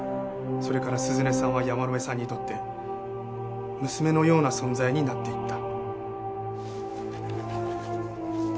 それから涼音さんは山野辺さんにとって娘のような存在になっていった。